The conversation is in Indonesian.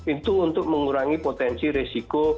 itu untuk mengurangi potensi resiko